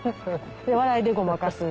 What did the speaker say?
笑いでごまかす。